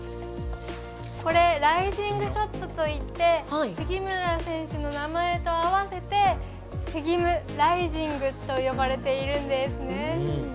これライジングショットといって杉村選手の名前と合わせてスギムライジングと呼ばれているんですね。